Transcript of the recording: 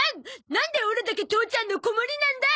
なんでオラだけ父ちゃんの子守なんだ！